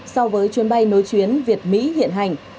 so với chuyến bay nối chuyến việt mỹ hiện hành